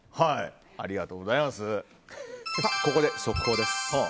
ここで速報です。